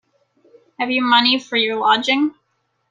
Have you money for your lodging?